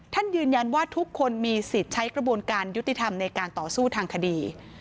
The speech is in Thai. ท่านยืนยันว่าทุกคนมีสิทธิ์ใช้กระบวนการยุติธรรมในการต่อสู้ทางคดี